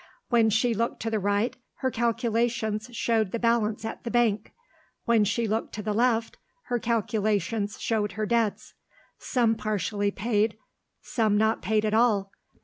When she looked to the right, her calculations showed the balance at the bank. When she looked to the left, her calculations showed her debts: some partially paid, some not paid at all.